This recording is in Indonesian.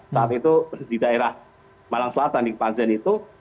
saat itu di daerah malang selatan di panzen itu